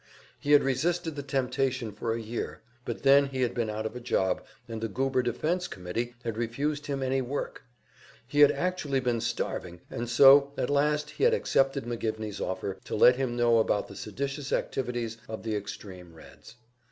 He had resisted the temptation for a year, but then he had been out of a job, and the Goober Defense Committee had refused him any work; he had actually been starving, and so at last he had accepted McGivney's offer to let him know about the seditious activities of the extreme Reds.